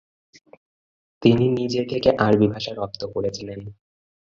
তিনি নিজে থেকে আরবি ভাষা রপ্ত করেছিলেন।